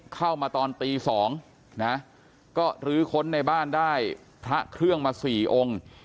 เข้ามาตอนตี๒นะก็ลื้อค้นในบ้านได้พระเครื่องมา๔องค์